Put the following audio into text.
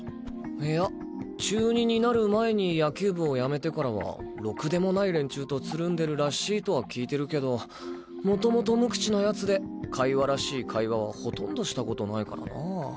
いや中２になる前に野球部をやめてからはロクでもない連中とつるんでるらしいとは聞いてるけど元々無口な奴で会話らしい会話はほとんどしたこと無いからなあ。